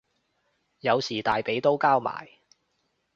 有時大髀都交埋